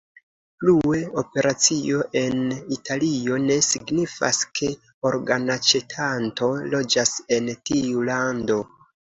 Plue, operacio en Italio ne signifas, ke organaĉetanto loĝas en tiu lando.